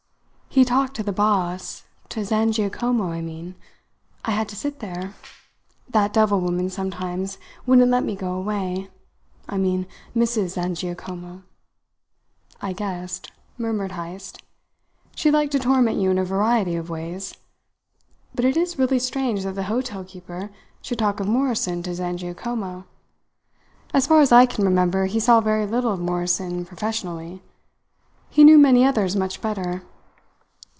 "He talked to the boss to Zangiacomo, I mean. I had to sit there. That devil woman sometimes wouldn't let me go away. I mean Mrs. Zangiacomo." "I guessed," murmured Heyst. "She liked to torment you in a variety of ways. But it is really strange that the hotel keeper should talk of Morrison to Zangiacomo. As far as I can remember he saw very little of Morrison professionally. He knew many others much better."